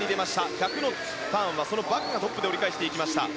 １００のターンはバクがトップで折り返しました。